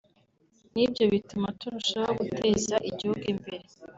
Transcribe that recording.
nibyo bituma turushaho guteza igihugu imbere”